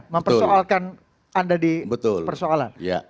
mempersoalkan anda di persoalan